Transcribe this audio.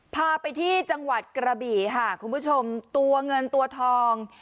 พาไปที่จังหวัดกระบี่ค่ะคุณผู้ชมตัวเงินตัวทอง